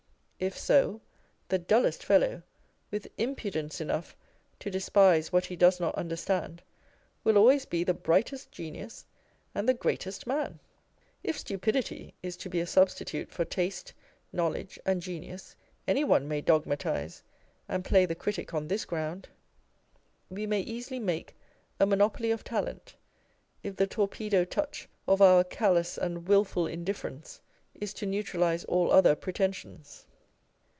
If so, the dullest fellow, with impudence enough to despise what he does not understand, will always be the brightest genius and the greatest man. If stupidity is to be a sub stitute for taste, knowledge, and genius, any one may dogmatise and play the critic on this ground. We may easily make a monopoly of talent, if the torpedo touch of our callous and wilful indifference is to neutralise all other pretensions.